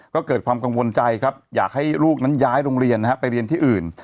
ก็เกิดความกังวลใจครับอยากให้ลูกนั้นย้ายโรงเรียนไปเรียนที่อื่น